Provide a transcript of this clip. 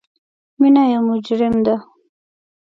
مینه یو مجرم ده